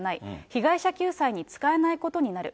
被害者救済に使えないことになる。